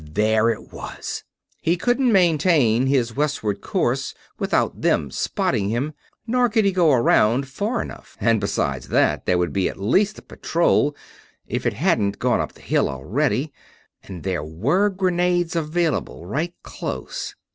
There it was! He couldn't maintain his westward course without them spotting him; nor could he go around far enough. And besides ... and besides that, there would be at least a patrol, if it hadn't gone up the hill already. And there were grenades available, right close....